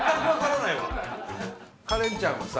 カレンちゃんはさ